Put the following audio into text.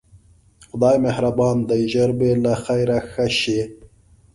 خدای مهربان دی ژر به له خیره ښه شې.